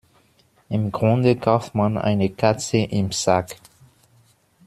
Im Grunde kauft man eine Katze im Sack.